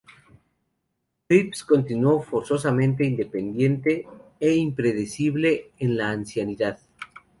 Crisp continuó ferozmente independiente e impredecible en la ancianidad.